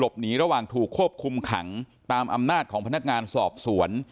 หลบหนีระวังถูกโคปคุมขั้งตามอำนาปร์ของพนักงานสอบสวน